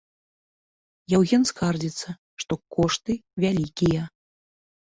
Яўген скардзіцца, што кошты вялікія.